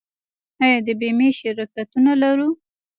آیا د بیمې شرکتونه لرو؟